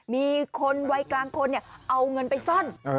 มีคนวัยกลางคนเอาเงินไปซ่อน